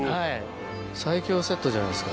最強セットじゃないですか。